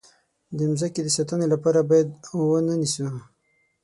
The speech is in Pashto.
د مځکې د ساتنې لپاره باید ونه نیسو.